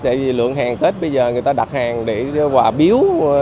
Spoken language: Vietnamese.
tại vì lượng hàng tết bây giờ người ta đặt hàng để quả biếu